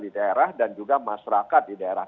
di daerah dan juga masyarakat di daerah